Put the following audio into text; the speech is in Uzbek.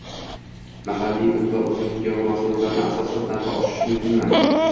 mahalliy un va o’simlik yog’i mahsulotlarini asossiz narxi oshishi mumkinmi?